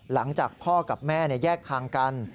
หลังจากพ่อกับแม่แยกทางกัน